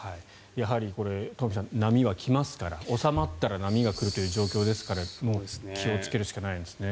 やはりトンフィさん波は来ますから収まったら波が来るという状況ですから気をつけないといけないですね。